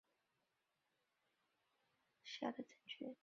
日耳曼镇区为美国堪萨斯州史密斯县辖下的镇区。